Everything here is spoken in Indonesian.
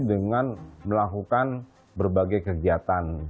dengan melakukan berbagai kegiatan